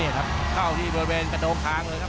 นี่ครับเข้าที่บริเวณกระโดงคางเลยครับ